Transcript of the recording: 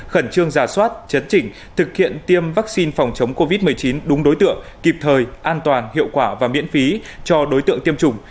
khẩn trương giả soát chấn chỉnh thực hiện tiêm vaccine phòng chống covid một mươi chín đúng đối tượng kịp thời an toàn hiệu quả và miễn phí cho đối tượng tiêm chủng